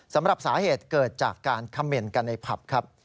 สำหรับสาเหตุเกิดจากการเขม่นกันในผับครับ